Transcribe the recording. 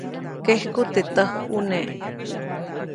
Kejku teʼ täjkʼune.